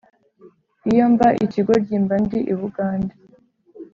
iyo mba ikigoryi mba ndi i bugande